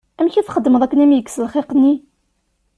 Amek i txedmeḍ akken ad am-yekkes lxiq-nni?